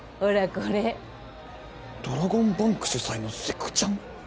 これドラゴンバンク主催のセクチャン？